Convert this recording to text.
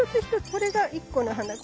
これが一個の花